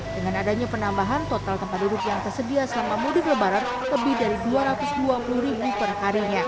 dengan adanya penambahan total tempat duduk yang tersedia selama mudik lebaran lebih dari dua ratus dua puluh ribu perharinya